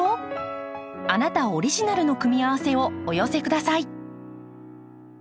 あなたオリジナルの組み合わせをお寄せください。